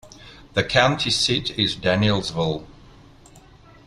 The county seat is Danielsville.